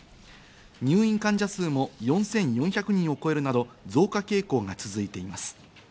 入院患者数も４４００人を超えるなど増加傾向が続いています。